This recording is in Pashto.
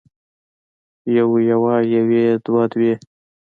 يو يوه يوې دوه دوې